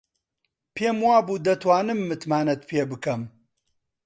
پێم وابوو دەتوانم متمانەت پێ بکەم.